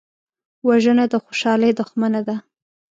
وژنه د خوشحالۍ دښمنه ده